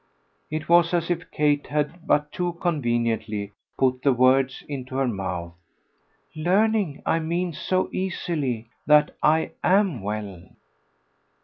It was as if Kate had but too conveniently put the words into her mouth. "Learning, I mean, so easily, that I AM well."